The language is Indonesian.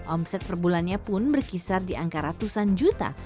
omset perbulannya pun berkisar di angka ratusan juta